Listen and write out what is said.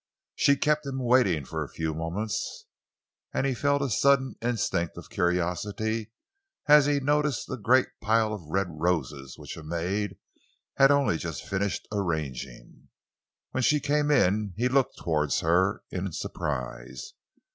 She kept him waiting for a few moments, and he felt a sudden instinct of curiosity as he noticed the great pile of red roses which a maid had only just finished arranging. When she came in, he looked towards her in surprise.